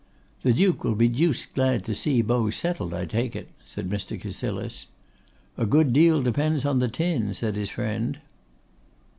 'The Duke will be deuced glad to see Beau settled, I take it,' said Mr. Cassilis. 'A good deal depends on the tin,' said his friend.